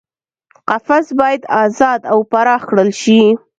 قفس باید ازاد او پراخ کړل شي.